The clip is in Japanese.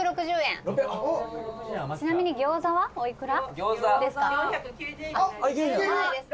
「ちなみに餃子はおいくらですか？」